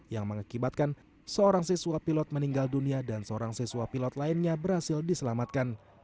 yang mengakibatkan seorang siswa pilot meninggal dunia dan seorang siswa pilot lainnya berhasil diselamatkan